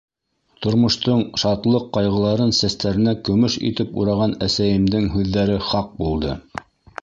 Тормоштоң шатлыҡ-ҡайғыларын сәстәренә көмөш итеп ураған әсәйемдең һүҙҙәре хаҡ булды.